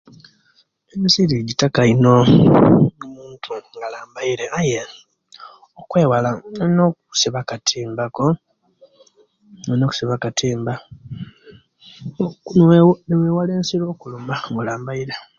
Ensiri jitaka ino omuntu nga alambaire aye okwewala olina okusiba akatimba ko olina okusiba akatimba niwewala ensiri okuluma nga olambaire